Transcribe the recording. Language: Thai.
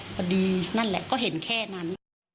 พอดีนั่นแหละก็เห็นแค่นั้น